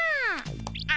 あ。